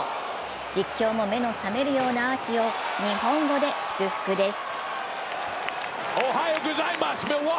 実況も目の覚めるようなアーチを日本語で祝福です。